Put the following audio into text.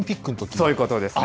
そういうことですね。